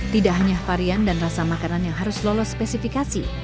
tidak hanya varian dan rasa makanan yang harus lolos spesifikasi